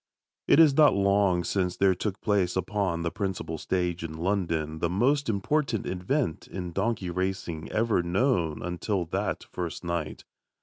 It is not long since there took place upon the principal stage in London the most important event in donkey racing ever known until that first night.